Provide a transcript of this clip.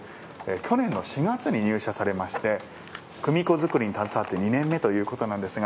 去年の４月に入社されまして組子作りに携わって２年目ということなんですが。